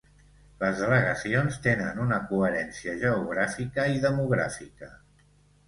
Les delegacions tenen una coherència geogràfica i demogràfica.